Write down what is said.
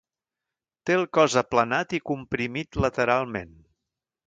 Té el cos aplanat i comprimit lateralment.